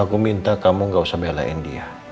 aku minta kamu gak usah belain dia